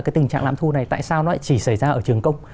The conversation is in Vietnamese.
cái tình trạng lãm thu này tại sao nó lại chỉ xảy ra ở trường công